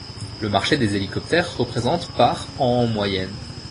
Le marché des hélicoptères représente par an en moyenne.